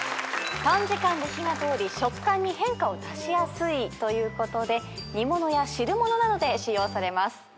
短時間で火が通り食感に変化を出しやすいということで煮物や汁物などで使用されます。